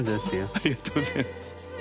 ありがとうございます。